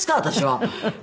私は。